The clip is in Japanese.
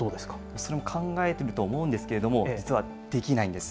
それも考えていると思うんですけれども、実はできないんです。